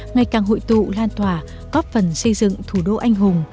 ngày càng hội tụ lan tỏa góp phần xây dựng thủ đô anh hùng